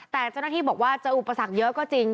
แต่เจ้าหน้าที่บอกว่าจะอุปสรรคเยอะก็จริง